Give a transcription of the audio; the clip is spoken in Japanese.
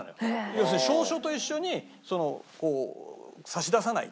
要するに証書と一緒にその差し出さないと。